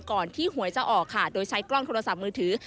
ที่หวยจะออกค่ะโดยใช้กล้องโทรศัพท์มือถือ